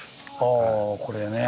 あこれね。